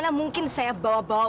ambil hasil pembentukan kamu